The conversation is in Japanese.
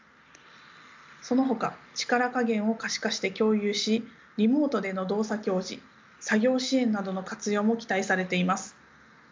そのほか力加減を可視化して共有しリモートでの動作教示作業支援などの活用も期待されています。